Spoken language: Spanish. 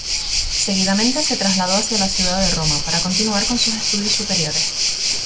Seguidamente se trasladó hacia la ciudad de Roma, para continuar con sus estudios superiores.